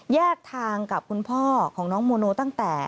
แยกทางกับคุณพ่อของน้องโมโนตั้งแต่